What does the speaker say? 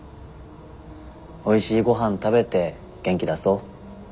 おいしいごはん食べて元気出そ。